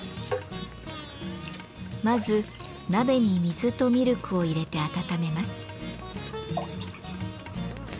まず鍋に水とミルクを入れて温めます。